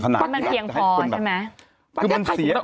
มันเพียงพอใช่ไหม